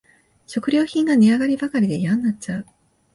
食料品が値上がりばかりでやんなっちゃう